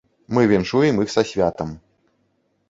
Мы віншуем іх са святам.